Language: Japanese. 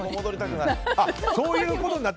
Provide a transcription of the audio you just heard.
戻りたくない。